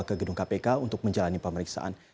ke gedung kpk untuk menjalani pemeriksaan